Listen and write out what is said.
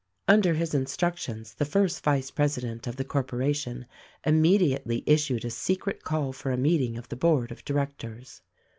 Under his instructions the First Vice President of the Corporation immediately issued a secret call for a meeting of the Board of Directors.